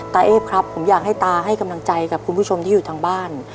เอฟครับผมอยากให้ตาให้กำลังใจกับคุณผู้ชมที่อยู่ทางบ้าน